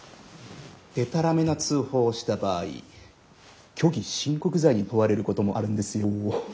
デタラメな通報をした場合虚偽申告罪に問われることもあるんですよ。